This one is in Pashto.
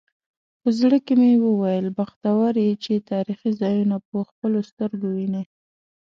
په زړه کې مې وویل بختور یې چې تاریخي ځایونه په خپلو سترګو وینې.